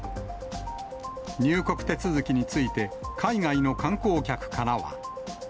入国手続きについて、海外の観光客からは。